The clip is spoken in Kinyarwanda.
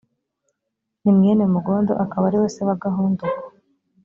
ni mwene mugondo akaba ari we se wa gahondogo